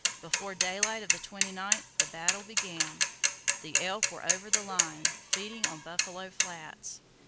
Before daylight of the 29th the battle began. The elk were over the line, feeding on Buffalo Flats.